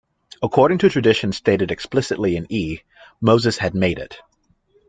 According to tradition, stated explicitly in E, Moses had made it.